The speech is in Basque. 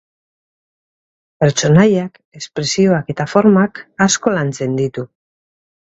Pertsonaiak, espresioak eta formak asko lantzen ditu.